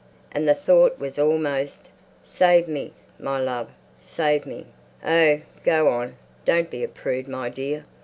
And the thought was almost, "Save me, my love. Save me!" ... "Oh, go on! Don't be a prude, my dear.